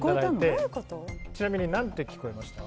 ちなみに何て聞こえました？